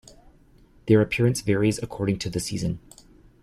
Their appearance varies according to the season.